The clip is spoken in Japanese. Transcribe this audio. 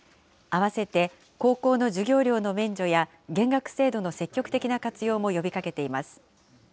あわせて高校の授業料の免除や減額制度の積極的な活用も呼びかけています。